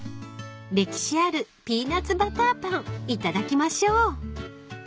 ［歴史あるピーナッツバターパン頂きましょう］